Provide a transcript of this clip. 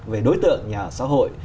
về đối tượng nhà ở xã hội